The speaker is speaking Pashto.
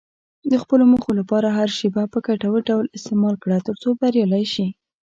د خپلو موخو لپاره هره شېبه په ګټور ډول استعمال کړه، ترڅو بریالی شې.